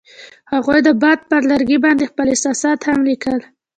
هغوی د باد پر لرګي باندې خپل احساسات هم لیکل.